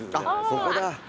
そこだ。